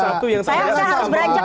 salah satu yang saya harus beranjak nih